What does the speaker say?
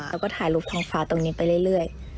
แล้วก็ถ่ายรูปท้องฟ้าตรงนี้ไปเรื่อย